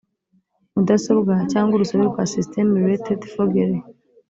mudasobwa cyangwa urusobe rwa system related forgery